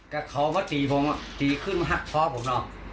ก็เค้าพอตีผมตีขึ้นหักคอผมเนาะ